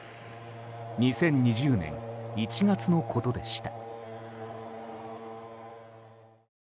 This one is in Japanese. ２０２０年１月のことでした。